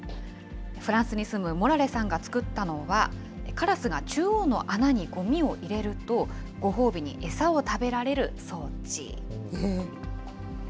フランスに住むモラレさんが作ったのは、カラスが中央の穴にごみを入れると、ご褒美に餌を食べられる装置。